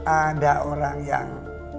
ada orang yang